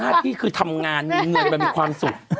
หน้าพี่คือทำงานมีเงินแต่มีความสุข